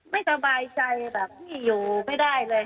ไม่สบายใจแบบพี่อยู่ไม่ได้เลย